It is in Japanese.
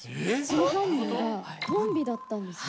その犯人がトンビだったんです。